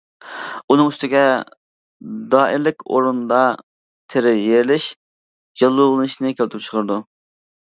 ئۇنىڭ ئۈستىگە دائىرىلىك ئورۇندا تېرە يېرىلىش، ياللۇغلىنىشنى كەلتۈرۈپ چىقىرىدۇ.